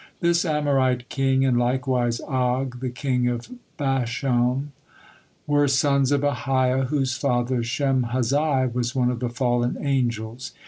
This Amorite king, and likewise Og, the king of Basham, were sons of Ahiah, whose father Shemhazai was one of the fallen angels.